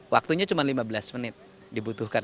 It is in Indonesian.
waktunya cuma lima belas menit dibutuhkan